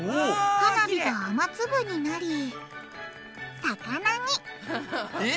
花火が雨粒になり魚にえ！